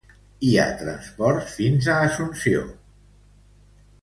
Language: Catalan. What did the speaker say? Hi ha transports fins a Asunción Mita.